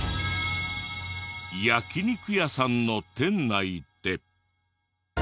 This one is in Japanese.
焼肉屋さんの店内で。